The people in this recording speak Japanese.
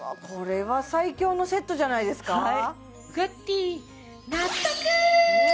これは最強のセットじゃないですか？